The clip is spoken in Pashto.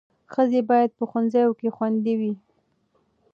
ښځې باید په ښوونځیو کې خوندي وي.